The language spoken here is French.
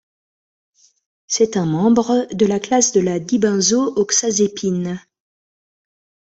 C'est un membre de la classe de la dibenzo-oxazépine.